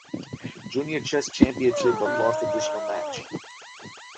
Junior Chess Championship but lost additional match.